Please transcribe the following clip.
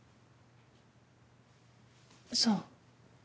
そう。